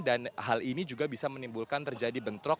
dan hal ini juga bisa menimbulkan terjadi bentrok